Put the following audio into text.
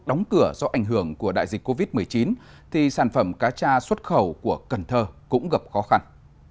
đóng cửa do ảnh hưởng của đại dịch covid một mươi chín thì sản phẩm cá cha xuất khẩu của cần thơ cũng gặp khó khăn